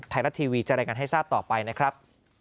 ไทยรัฐทีวีจะรายงานให้ทราบต่อไปนะครับ